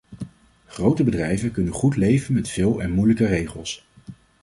Grote bedrijven kunnen goed leven met veel en moeilijke regels.